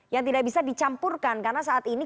yang tidak bisa dicampurkan karena saat ini